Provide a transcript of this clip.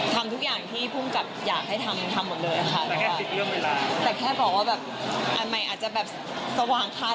ทำทุกอย่างที่ผู้จับอยากให้ทำทำหมดเลยค่ะ